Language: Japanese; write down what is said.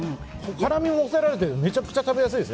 辛みも抑えらえてめちゃくちゃ食べやすいです。